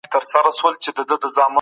موږ په خندا کولو بوخت یو.